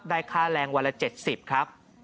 ค่าแรงวันละ๗๐ครับ